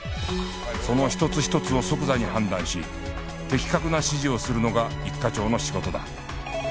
その一つ一つを即座に判断し的確な指示をするのが一課長の仕事だ